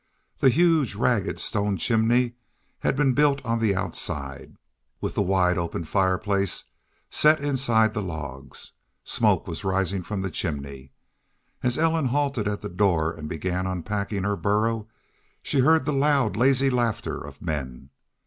The huge, ragged, stone chimney had been built on the outside, with the wide open fireplace set inside the logs. Smoke was rising from the chimney. As Ellen halted at the door and began unpacking her burro she heard the loud, lazy laughter of men.